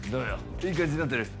いい感じになってる？